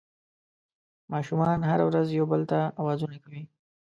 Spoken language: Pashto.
ماشومان هره ورځ یو بل ته اوازونه کوي